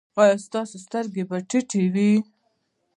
ایا ستاسو سترګې به ټیټې وي؟